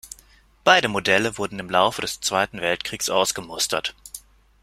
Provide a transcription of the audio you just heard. Beide Modelle wurden im Laufe des Zweiten Weltkrieges ausgemustert.